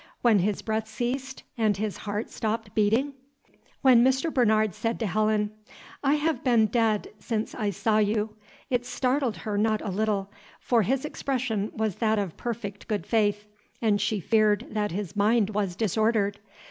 When his breath ceased and his heart stopped beating? When Mr. Bernard said to Helen, "I have been dead since I saw you," it startled her not a little; for his expression was that of perfect good faith, and she feared that his mind was disordered.